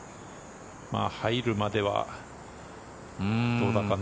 入るまではどうだかね。